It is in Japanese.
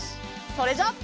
それじゃあ。